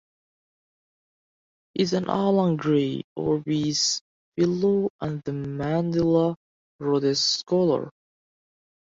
He is an Allan Gray Orbis fellow and The Mandela Rhodes Scholar.